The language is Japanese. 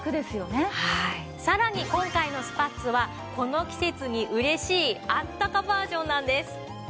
さらに今回のスパッツはこの季節に嬉しいあったかバージョンなんです。